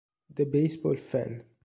The Baseball Fan